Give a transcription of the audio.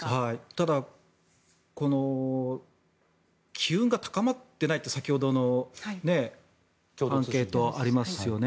ただ、この機運が高まってないと先ほどのアンケートがありますよね。